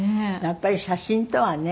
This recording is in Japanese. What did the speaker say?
やっぱり写真とはね。